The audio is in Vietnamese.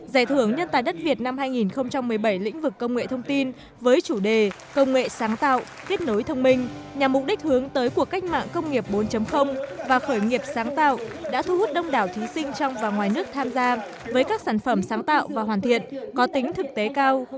giải thưởng nhân tài đất việt năm hai nghìn một mươi bảy lĩnh vực công nghệ thông tin với chủ đề công nghệ sáng tạo kết nối thông minh nhằm mục đích hướng tới cuộc cách mạng công nghiệp bốn và khởi nghiệp sáng tạo đã thu hút đông đảo thí sinh trong và ngoài nước tham gia với các sản phẩm sáng tạo và hoàn thiện có tính thực tế cao